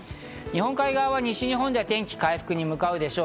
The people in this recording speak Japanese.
日本海側は、西日本では天気が回復に向かうでしょう。